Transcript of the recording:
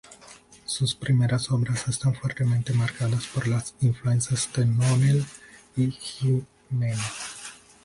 Sus primeras obras están fuertemente marcadas por las influencias de Nonell y Gimeno.